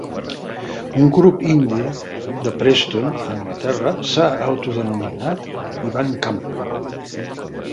Un grup "indie" de Preston, a Anglaterra, s'ha autodenominat "Ivan Campo".